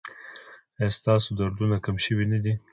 ایا ستاسو دردونه کم شوي نه دي؟